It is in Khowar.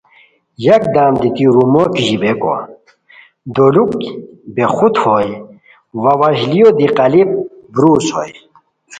یکدم دیتی رومو کیژیبئیکو دولوک بے خودہ ہوئے وا وشلیو دی قالیپ بُروز ہوئے